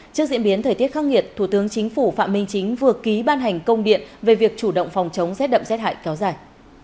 trước diễn biến thời tiết khắc nghiệt thủ tướng chính phủ phạm minh chính vừa ký ban hành công điện về việc chủ động phòng chống rét đậm rét hại kéo dài